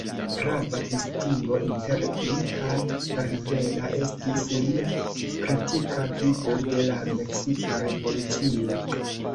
Grava distingo inter li kaj Rivera estis lia kritika vido de la meksika revolucio.